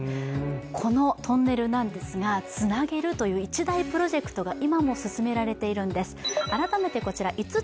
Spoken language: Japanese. このトンネルなんですが、つなげるという一大プロジェクトが今も進められているんです。